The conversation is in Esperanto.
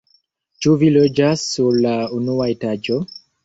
Ĉu vi loĝas sur la unua etaĝo?